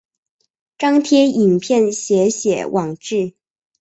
张贴影片写写网志